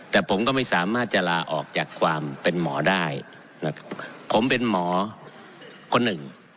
แต่ผมก็ไม่สามารถจะลาออกจากความเป็นหมอได้นะครับผมเป็นหมอคนหนึ่ง